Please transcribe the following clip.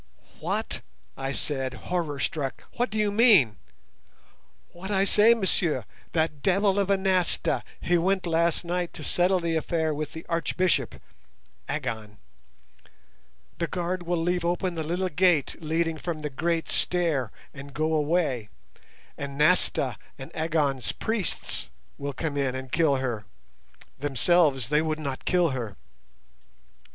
"What?" I said, horror struck; "what do you mean?" "What I say, monsieur; that devil of a Nasta he went last night to settle the affair with the Archbishop [Agon]. The guard will leave open the little gate leading from the great stair and go away, and Nasta and Agon's priests will come in and kill her. Themselves they would not kill her."